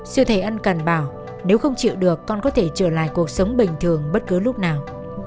sư thầy ân cần bảo nếu không chịu được con có thể trở lại cuộc sống bình thường bất cứ lúc nào